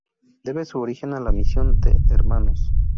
Debe su origen a la misión de Hnos.